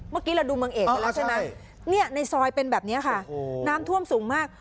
เมื่อกี้เราดูเมืองเอกกันแล้วใช่ไหมเนี่ยในซอยเป็นแบบนี้ค่ะน้ำท่วมสูงมาก